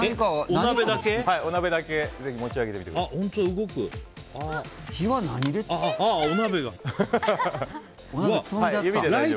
お鍋だけ上に持ち上げてみてください。